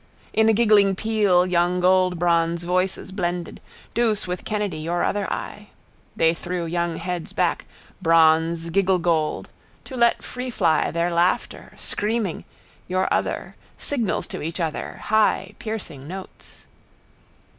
In a giggling peal young goldbronze voices blended, Douce with Kennedy your other eye. They threw young heads back, bronze gigglegold, to let freefly their laughter, screaming, your other, signals to each other, high piercing notes.